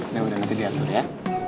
ini udah nanti diatur ya